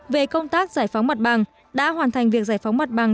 về công tác giải phóng mặt bằng đã hoàn thành việc giải phóng mặt bằng